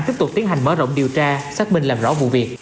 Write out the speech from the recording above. tiếp tục tiến hành mở rộng điều tra xác minh làm rõ vụ việc